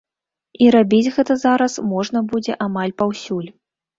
І рабіць гэта зараз можна будзе амаль паўсюль.